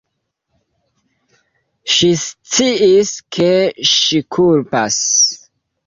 Ŝi sciis, ke ŝi kulpas.